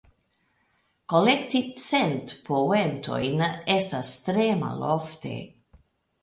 Kolekti cent poentojn estas tre malofte.